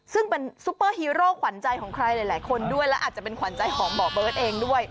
ซึ่งเป็นซุปเปอร์ฮีโร่ขวัญใจของใครหลายคนด้วยและอาจจะเป็นขวัญใจของหมอเบิร์ตเองด้วย